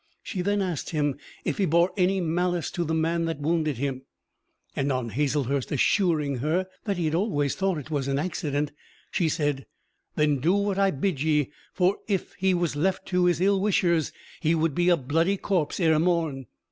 She then asked him if he bore any malice to the man that wounded him, and on Hazlewood assuring her that he had always thought it was an accident, she said: "Then do what I bid ye, for if he was left to his ill wishers he would be a bloody corpse ere morn."